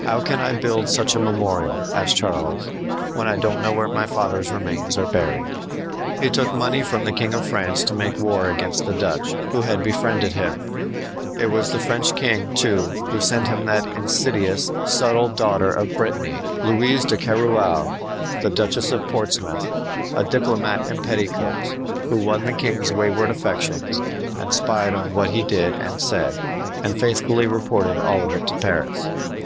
"How can I build such a memorial," asked Charles, "when I don't know where my father's remains are buried!" He took money from the King of France to make war against the Dutch, who had befriended him. It was the French king, too, who sent him that insidious, subtle daughter of Brittany, Louise de Keroualle Duchess of Portsmouth a diplomat in petticoats, who won the king's wayward affections, and spied on what he did and said, and faithfully reported all of it to Paris.